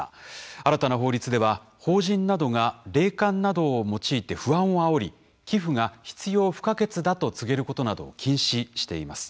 新たな法律では法人など霊感などを用いて不安をあおり寄付が必要不可欠だと告げることなどを禁止しています。